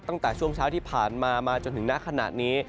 ตั้งแต่ช่วงเช้าที่ผ่านมามาจนถึงหน้าขณะนี้